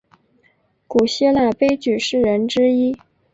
古希腊悲剧诗人之一。